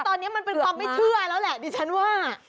ตอนนี้มันเป็นความไม่เชื่อแล้วแหละดิฉันว่า